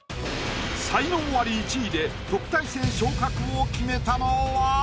才能アリ１位で特待生昇格を決めたのは？